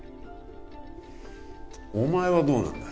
お前はどうなんだ？